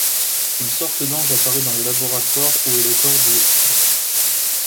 Une sorte d'ange apparaît dans le laboratoire où est le corps de Dre.